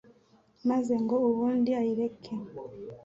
maze ngo ubundi ayireke.